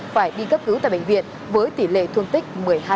phải đi cấp cứu tại bệnh viện với tỷ lệ thương tích một mươi hai